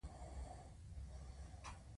هغه له ټاکلو پیسو سره اضافي پیسې هم ورکوي